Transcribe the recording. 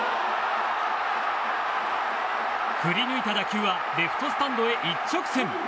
振り抜いた打球はレフトスタンドへ一直線。